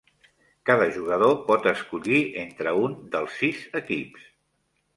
Cada jugador pot escollir entre un dels sis equips.